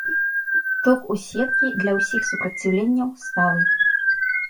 Ток у сеткі для ўсіх супраціўленнях сталы.